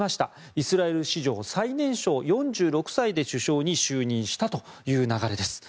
イスラエル史上最年少４６歳で首相に就任したという流れです。